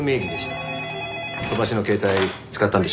飛ばしの携帯使ったんでしょ？